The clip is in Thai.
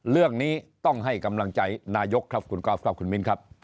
เรื่องนี้ต้องให้กำลังใจนายกครับคุณกอล์ฟครับคุณมิ้นครับ